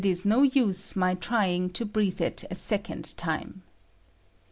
171 is no uae my trying to breathe it a second time.